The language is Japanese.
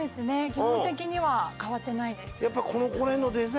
基本的には変わってないです。